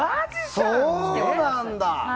そうなんだ！